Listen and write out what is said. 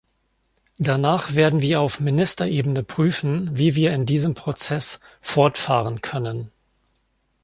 Danach werden wir auf Ministerebene prüfen, wie wir in diesem Prozess fortfahren können.